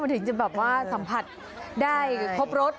ถึงจะแบบว่าสัมผัสได้ครบรส